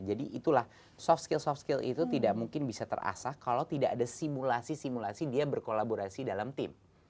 jadi itulah soft skill soft skill itu tidak mungkin bisa terasah kalau tidak ada simulasi simulasi dia berkolaborasi dalam tim